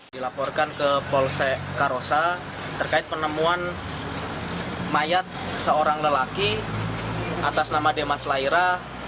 dilaporkan ke polsek karosa terkait penemuan mayat seorang lelaki atas nama demas laira